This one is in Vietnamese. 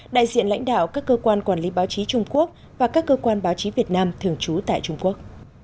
đại diện lãnh đạo các cơ quan quản lý báo chí trung quốc và các cơ quan báo chí việt nam thường trú tại trung quốc